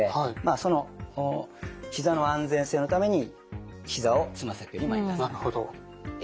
そのひざの安全性のためにひざをつま先より前に出さない。